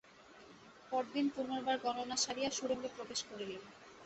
পরদিন পুনর্বার গণনা সারিয়া সুরঙ্গে প্রবেশ করিলেন।